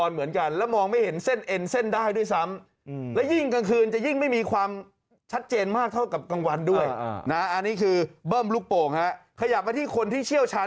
เหมือนเสื้อมันจะโดนดึงเล็กน้อย